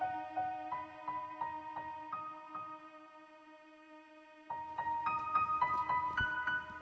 tanggal enam itu ulang tahun jennifer